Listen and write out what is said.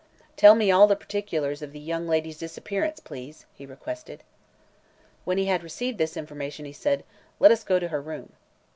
"Tell me all the particulars of the young lady's disappearance, please," he requested. When he had received this information he said: "Let us go to her room."